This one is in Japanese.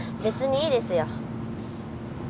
別にいいですよ。